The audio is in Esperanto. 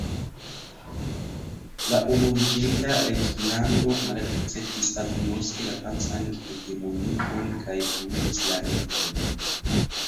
La Unuiĝinta Reĝlando malakceptis agnoski la Francan hegemonion kaj pluigis la militon.